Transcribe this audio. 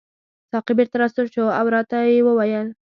ساقي بیرته راستون شو او راته یې وویل.